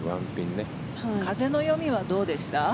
風の読みはどうでした？